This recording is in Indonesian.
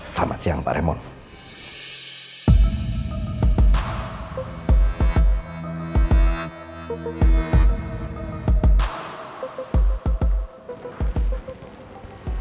selamat siang pak raymond